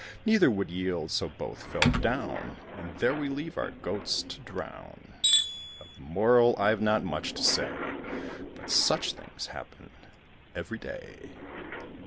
Neither would yield, so both fell down, And there we leave our Goats to drown. Of moral I've not much to say: But such things happen every day.